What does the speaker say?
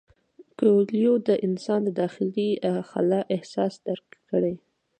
کویلیو د انسان د داخلي خلا احساس درک کړ.